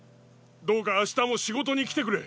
どうか明日も仕事に来てくれ！